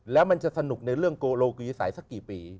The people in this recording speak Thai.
แล้วมันจะสนุกในเรื่องโกโลกีสัยสักกี่ปี